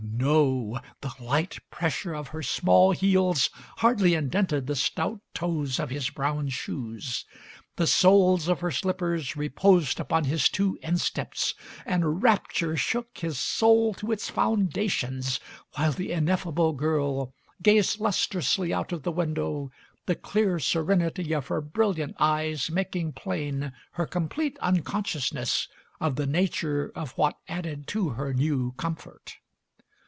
No. The light pressure of her small heels hardly indented the stout toes of his brown shoes; the soles of her slippers reposed upon his two insteps, and rapture shook his soul to its foundations, while the ineffable girl gazed lustrously out of the window, the clear serenity of her brilliant eyes mak Digitized by Google MARY SMITH 187 ing plain her complete unconsciousness of the' nature of what added to her new comfort.